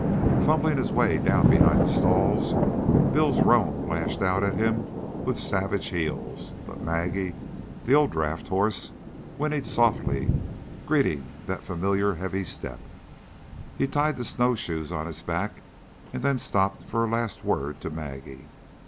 Fumbling his way down behind the stalls, Bill's roan lashed out at him with savage heels; but Maggie, the old draft horse, whinnied softly, greeting that familiar heavy step. He tied the snowshoes on his back and then stopped for a last word to Maggie.